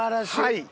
はい。